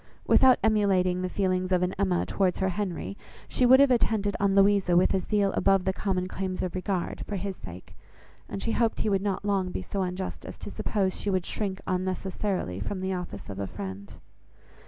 Without emulating the feelings of an Emma towards her Henry, she would have attended on Louisa with a zeal above the common claims of regard, for his sake; and she hoped he would not long be so unjust as to suppose she would shrink unnecessarily from the office of a friend.